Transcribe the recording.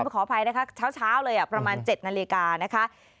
ขออภัยนะคะเช้าเลยประมาณ๗นาฬิกานะคะ